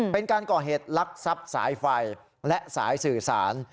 เป็นการก่อเหตุลักษัพสายไฟและสายสื่อสาร